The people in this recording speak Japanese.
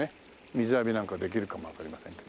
水浴びなんかできるかもわかりませんけど。